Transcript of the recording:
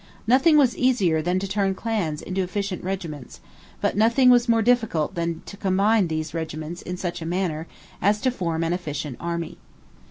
Nothing was easier than to turn clans into efficient regiments; but nothing was more difficult than to combine these regiments in such a manner as to form an efficient army.